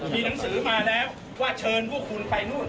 มีหนังสือมาแล้วว่าเชิญพวกคุณไปนู่น